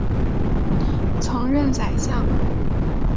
曾任宰相。